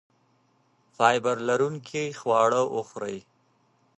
فایبر لرونکي خواړه وخورئ.